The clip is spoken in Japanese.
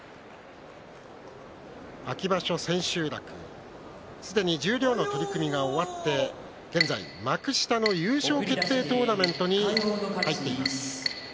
秋場所千秋楽すでに十両の取組が終わって現在幕下の優勝決定トーナメントに入っています。